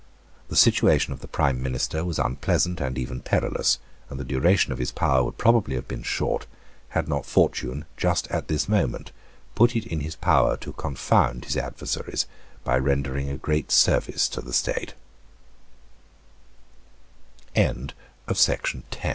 The situation of the prime minister was unpleasant and even perilous; and the duration of his power would probably have been short, had not fortune, just at this moment, put it in his power to confound his adversaries by rendering a great s